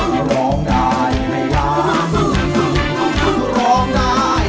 โทษให้โทษให้โทษให้โทษให้